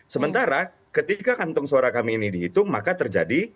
sementara ketika kantong suara kami ini dihitung maka terjadi